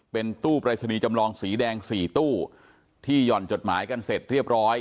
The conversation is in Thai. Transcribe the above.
เป็นตู้ปรายศนีย์จำลองสีแดง๔ตู้ที่ห่อนจดหมายกันเสร็จเรียบร้อย